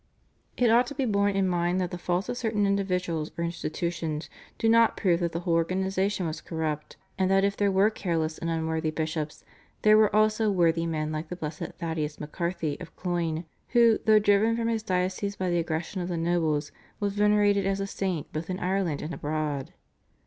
It ought to be borne in mind that the faults of certain individuals or institutions do not prove that the whole organisation was corrupt, and that if there were careless and unworthy bishops, there were also worthy men like the Blessed Thaddeus MacCarthy of Cloyne, who though driven from his diocese by the aggression of the nobles, was venerated as a saint both in Ireland and abroad.